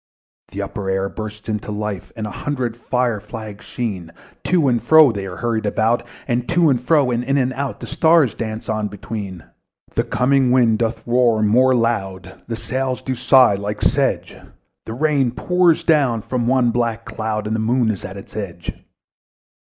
The upper air burst into life! And a hundred fire flags sheen, To and fro they were hurried about! And to and fro, and in and out, The wan stars danced between. And the coming wind did roar more loud, And the sails did sigh like sedge; And the rain poured down from one black cloud; The Moon was at its edge.